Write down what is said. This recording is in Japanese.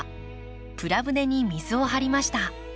プラ舟に水を張りました。